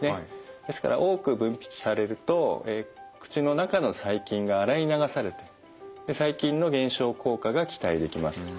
ですから多く分泌されると口の中の細菌が洗い流されて細菌の減少効果が期待できます。